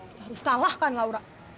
kita harus kalahkan laura